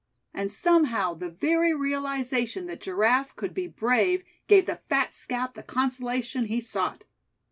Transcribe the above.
And somehow the very realization that Giraffe could be brave gave the fat scout the consolation he sought.